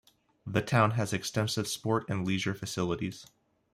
The town has extensive sport and leisure facilities.